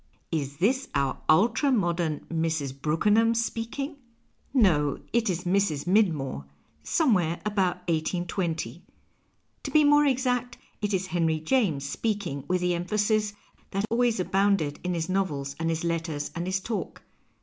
Fs this our ultra modern Mrs. Brookenham speaking ? No, it is Mrs. Midmorc, somewhere about 1820. To be more exact, it is Henry .Tames speaking with the emphasis that always abounded in his novels and his letters and his talk.